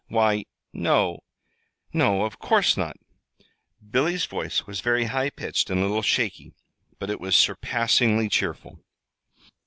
"Why, no no, of course not!" Billy's voice was very high pitched and a little shaky, but it was surpassingly cheerful.